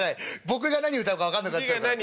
僕が何歌うか分かんなくなっちゃうから。